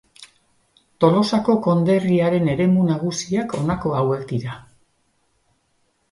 Tolosako Konderriaren eremu nagusiak honako hauek dira.